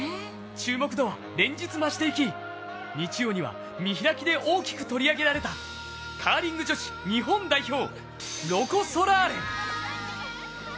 注目度は連日、増していき日曜には見開きで大きく取り上げられたカーリング女子日本代表ロコ・ソラーレ。